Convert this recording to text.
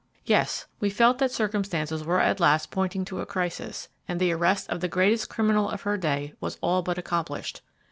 Yes, we felt that circumstances were at last pointing to a crisis, and the arrest of the greatest criminal of her day was all but accomplished.